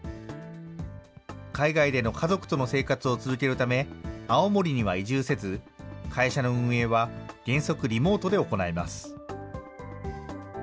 海外での家族との生活を続けるため、青森には移住せず、会社の運営は原則、リモートで行います。